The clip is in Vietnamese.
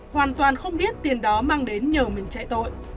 hoàn toàn không biết tiền đó mang đến nhờ mình chạy tội